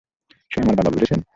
সে আমার বাবা, বুঝেছেন?